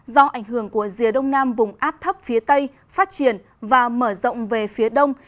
do ảnh hưởng của rìa đông nam vùng áp thấp phía tây phát triển và mở rộng về phía đông